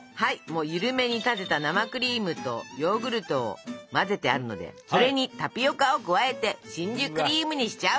ゆるめに立てた生クリームとヨーグルトを混ぜてあるのでそれにタピオカを加えてしんじゅクリームにしちゃう！